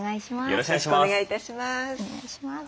よろしくお願いします。